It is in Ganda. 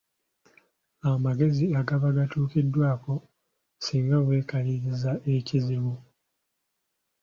Amagezi agaba gatuukiddwako singa weekaliriza ekizibu.